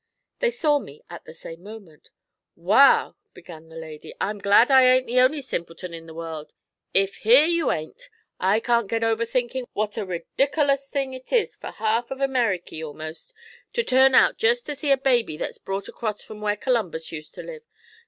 They saw me at the same moment. 'Wal,' began the lady, 'I'm glad I ain't the only simpleton in the world! If here you ain't! I can't get over thinkin' what a ridickerlus thing it is fur half of Ameriky, a'most, to turn out jest to see a baby that's brought acrost from where Columbus used to live!